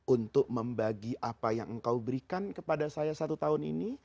untuk membagi apa yang engkau berikan kepada saya satu tahun ini